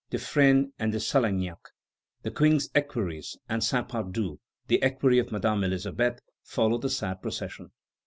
de Fresnes and de Salaignac, the King's equerries, and Saint Pardoux, the equerry of Madame Elisabeth, followed the sad procession.